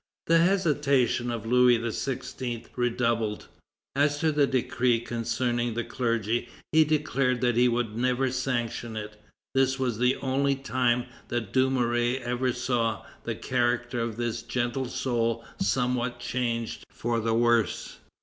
The hesitation of Louis XVI. redoubled. As to the decree concerning the clergy, he declared that he would never sanction it. This was the only time that Dumouriez ever saw "the character of this gentle soul somewhat changed for the worse."